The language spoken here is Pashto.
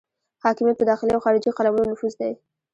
حاکمیت په داخلي او خارجي قلمرو نفوذ دی.